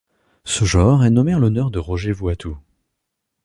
Ce genre est nommé en l'honneur de Roger Vuattoux.